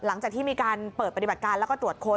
หลังจากที่มีการเปิดปฏิบัติการแล้วก็ตรวจค้น